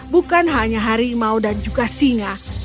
bukan hanya harimau dan juga singa